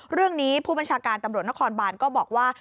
เรื่องนี้ผู้บัญชาการตำรวจนครบานก็บอกว่า